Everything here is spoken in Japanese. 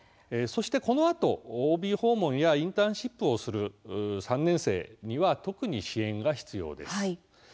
そしてこのあとＯＢ訪問やインターンシップをする３年生には特に支援が必要です。